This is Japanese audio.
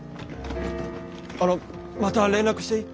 あのまた連絡していい？